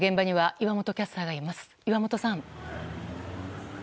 岩本さん。